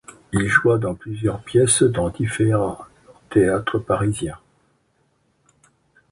Il joua dans plusieurs pièces dans divers théâtres parisiens.